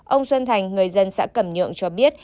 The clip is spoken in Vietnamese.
ông xuân thành người dân xã cẩm nhượng cho biết